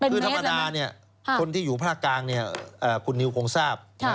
คือธรรมดาคนที่อยู่ภาคกลางคุณนิวคงทราบ